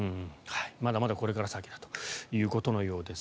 まだまだこれから先だということのようです。